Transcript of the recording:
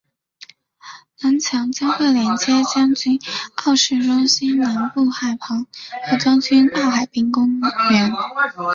南桥将会连接将军澳市中心南部海旁和将军澳海滨公园。